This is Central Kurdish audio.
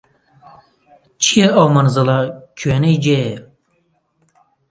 چییە ئەو مەنزڵە کوێنەی جێیە